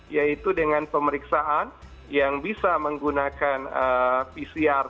yaitu dengan pemeriksaan yang bisa menggunakan pcr